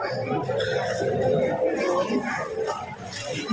หัวใหญ่๖